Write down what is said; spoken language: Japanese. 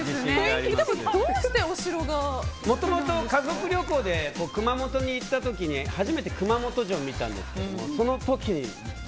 もともと家族旅行で熊本に行った時に初めて熊本城を見たんですけど。